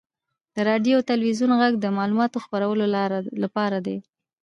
• د راډیو او تلویزیون ږغ د معلوماتو خپرولو لپاره دی.